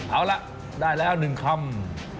เอาละได้แล้ว๑คำ